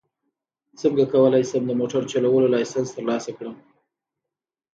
څنګه کولی شم د موټر چلولو لایسنس ترلاسه کړم